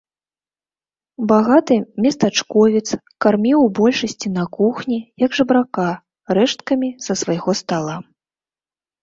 Багаты местачковец карміў у большасці на кухні, як жабрака, рэшткамі са свайго стала.